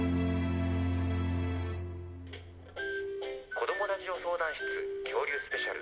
「子どもラジオ相談室恐竜スペシャル。